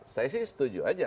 saya sih setuju aja